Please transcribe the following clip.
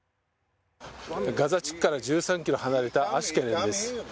ガザ地区から１３キロ離れたアシュケロンです。